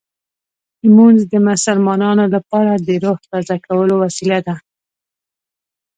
لمونځ د مسلمانانو لپاره د روح تازه کولو وسیله ده.